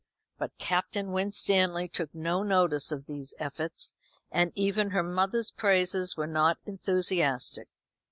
But Captain Winstanley took no notice of these efforts, and even her mother's praises were not enthusiastic.